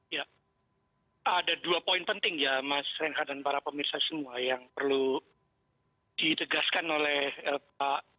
ya ada dua poin penting ya mas renhard dan para pemirsa semua yang perlu ditegaskan oleh pak